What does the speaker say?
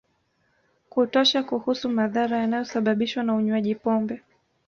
kutosha kuhusu madhara yanayosababishwa na unywaji pombe